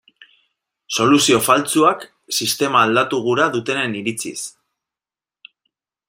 Soluzio faltsuak, sistema aldatu gura dutenen iritziz.